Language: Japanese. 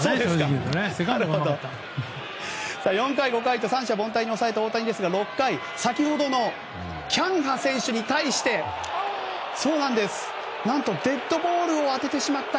４回、５回と３者凡退に抑えた大谷ですが６回先ほどのキャンハ選手に対してデッドボールを当ててしまった。